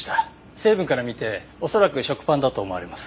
成分から見て恐らく食パンだと思われます。